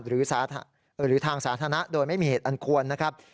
หรือทางสาธารณะโดยไม่มีเหตุอันควรนะครับ